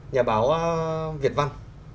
nhà báo việt văn